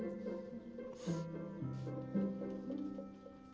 lemes medali jahat